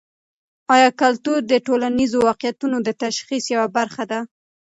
ایا کلتور د ټولنیزو واقعیتونو د تشخیص یوه برخه ده؟